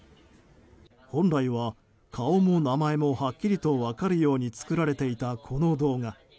本来は、顔も名前もはっきりと分かるように作られていた、この動画。